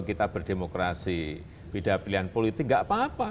beda berdemokrasi beda pilihan politik enggak apa apa